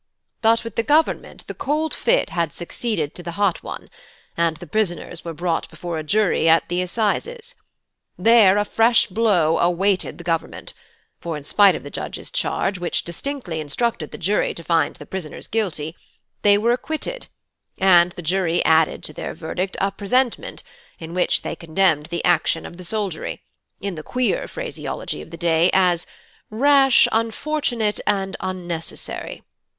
But with the Government the cold fit had succeeded to the hot one; and the prisoners were brought before a jury at the assizes. There a fresh blow awaited the Government; for in spite of the judge's charge, which distinctly instructed the jury to find the prisoners guilty, they were acquitted, and the jury added to their verdict a presentment, in which they condemned the action of the soldiery, in the queer phraseology of the day, as 'rash, unfortunate, and unnecessary.'